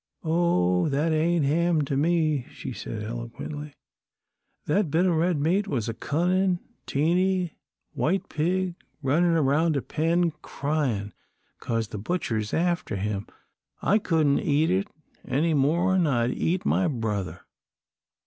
"Oh, that ain't ham to me," she said, eloquently. "That bit o' red meat was a cunnin', teeny white pig runnin' round a pen, cryin' 'cause the butcher's after him. I couldn't eat it, any more'n I'd eat my brother."